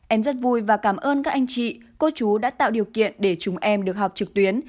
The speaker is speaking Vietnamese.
em rất vui và cảm ơn các anh chị cô chú đã tạo điều kiện để chúng em được học trực tuyến